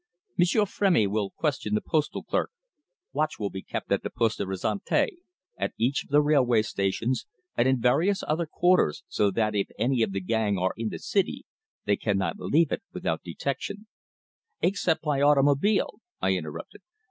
"M'sieur Frémy will question the postal clerk, watch will be kept at the Poste Restante, at each of the railway stations, and in various other quarters, so that if any of the gang are in the city they cannot leave it without detection " "Except by automobile," I interrupted.